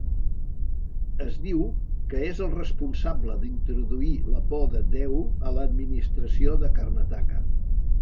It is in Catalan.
Es diu que és el responsable d'introduir la por de Déu a l'administració de Karnataka.